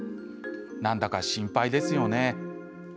なんだか心配ですよね。